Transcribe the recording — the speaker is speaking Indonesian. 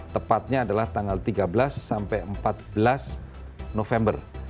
tepatnya adalah tanggal tiga belas sampai empat belas november